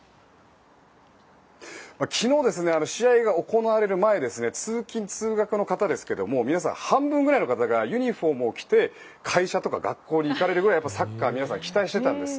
昨日、試合が行われる前通勤・通学の方ですが皆さん、半分ぐらいの方がユニホームを着て会社とか学校に行かれるくらいサッカーを皆さん期待していたんです。